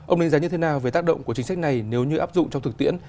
ông đánh giá như thế nào về tác động của chính sách này nếu như áp dụng trong thực tiễn